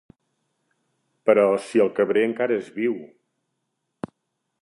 Però si el Cabré encara és viu!